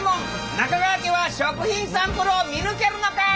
中川家は食品サンプルを見抜けるのか！？